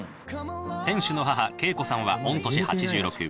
店主の母、敬子さんは御年８６。